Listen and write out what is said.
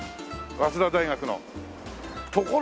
早稲田大学の。